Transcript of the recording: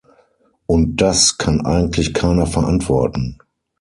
Und das kann eigentlich keiner verantworten.